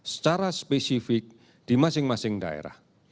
secara spesifik di masing masing daerah